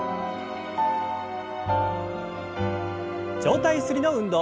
上体ゆすりの運動。